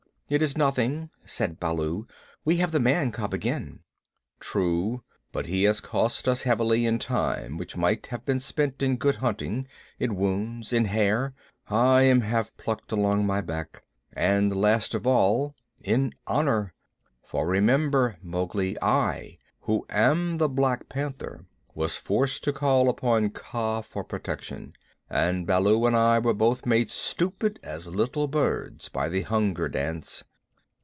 "It is nothing," said Baloo; "we have the man cub again." "True, but he has cost us heavily in time which might have been spent in good hunting, in wounds, in hair I am half plucked along my back and last of all, in honor. For, remember, Mowgli, I, who am the Black Panther, was forced to call upon Kaa for protection, and Baloo and I were both made stupid as little birds by the Hunger Dance.